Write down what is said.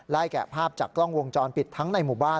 แกะภาพจากกล้องวงจรปิดทั้งในหมู่บ้าน